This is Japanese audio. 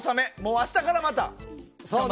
明日から、また。